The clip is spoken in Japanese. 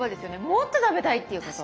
もっと食べたい！っていうこと。